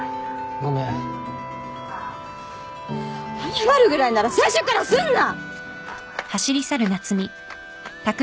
謝るぐらいなら最初からすんな！